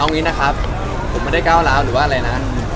อย่างนี้นะครับผมไม่ได้ก้าวร้าวหรือว่าอะไรนะ